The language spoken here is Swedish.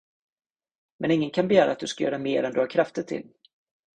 Men ingen kan begära att du ska göra mera än du har krafter till.